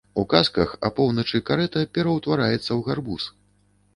У казках апоўначы карэта пераўтвараецца ў гарбуз.